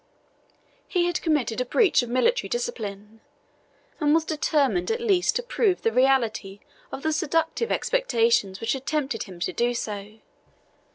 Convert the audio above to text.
He had committed a breach of military discipline, and was determined at least to prove the reality of the seductive expectations which had tempted him to do so.